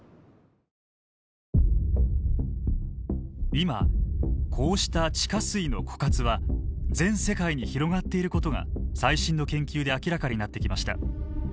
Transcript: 今こうした地下水の枯渇は全世界に広がっていることが最新の研究で明らかになってきました。